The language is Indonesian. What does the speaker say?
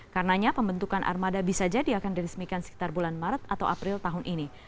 karenanya pembentukan armada bisa jadi akan diresmikan sekitar bulan maret atau april tahun ini